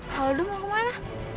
caldo mau kemana